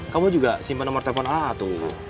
kamu juga simpen nomor telepon a tuh